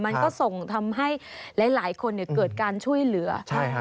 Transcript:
มันก็ส่งทำให้หลายคนเกิดการช่วยเหลือ